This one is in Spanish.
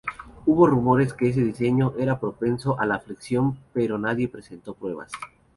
Hubo rumores que ese diseño era propenso a la flexión, pero nadie presentó pruebas.